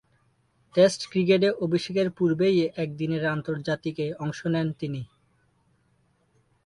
Test ক্রিকেটে অভিষেকের পূর্বেই একদিনের আন্তর্জাতিকে অংশ নেন তিনি।